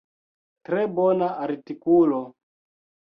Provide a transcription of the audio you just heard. Tre bona artikulo.